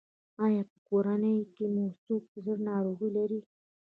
ایا په کورنۍ کې مو څوک د زړه ناروغي لري؟